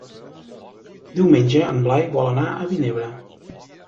Diumenge en Blai vol anar a Vinebre.